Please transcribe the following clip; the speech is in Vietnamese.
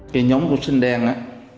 cái nhóm của sinh đen á